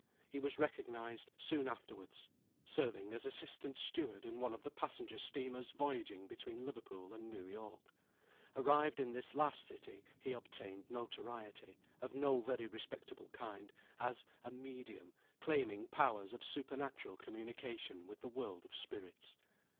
He was recognised, soon afterwards, serving as assistant steward in one of the passenger steamers voyaging between Liverpool and New York. Arrived in this last city, he obtained notoriety, of no very respectable kind, as a "medium" claiming powers of supernatural communication with the world of spirits.